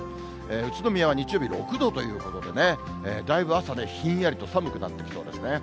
宇都宮は日曜日６度ということでね、だいぶ朝ね、ひんやりと寒くなってきそうですね。